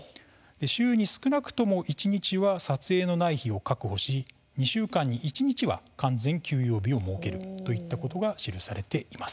週に少なくとも一日は撮影のない日を確保し２週間に一日は完全休養日を設けるといったことが記されています。